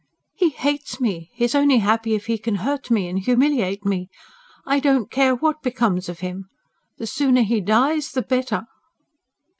"He hates me; he is only happy if he can hurt me and humiliate me. I don't care what becomes of him. The sooner he dies the better!"